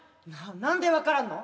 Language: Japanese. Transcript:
何で分からんの？